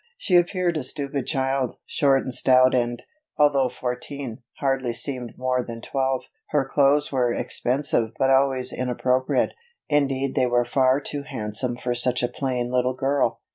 She appeared a stupid child, short and stout and, although fourteen, hardly seemed more than twelve. Her clothes were expensive but always inappropriate, indeed they were far too handsome for such a plain little girl.